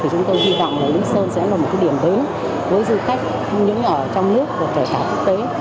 chúng tôi hy vọng lý sơn sẽ là một điểm đứng với du khách trong nước và cả quốc tế